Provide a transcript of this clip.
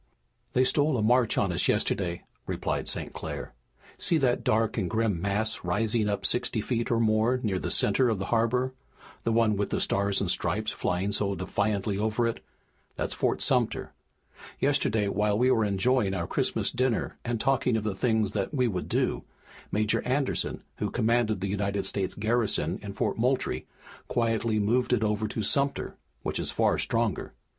"They stole a march on us yesterday," replied St. Clair. "See that dark and grim mass rising up sixty feet or more near the center of the harbor, the one with the Stars and Stripes flying so defiantly over it? That's Fort Sumter. Yesterday, while we were enjoying our Christmas dinner and talking of the things that we would do, Major Anderson, who commanded the United States garrison in Fort Moultrie, quietly moved it over to Sumter, which is far stronger.